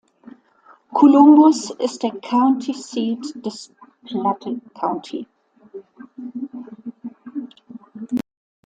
Columbus ist der County Seat des Platte County.